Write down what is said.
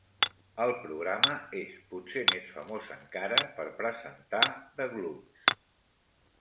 El programa és potser més famós encara per presentar "The Glums".